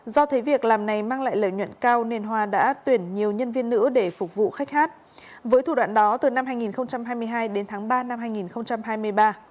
do thấy việc làm này mang lại lợi nhuận cao nên hoa đã tuyển nhiều nhân viên nữ để phục vụ khách hát với thủ đoạn đó từ năm hai nghìn hai mươi hai đến tháng ba năm hai nghìn hai mươi ba